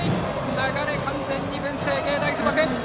流れは完全に文星芸大付属！